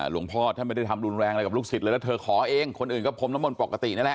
หลวงพ่อท่านไม่ได้ทำรุนแรงอะไรกับลูกศิษย์เลยแล้วเธอขอเองคนอื่นก็พรมน้ำมนต์ปกตินั่นแหละ